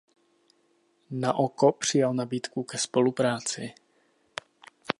Naoko přijal nabídku ke spolupráci.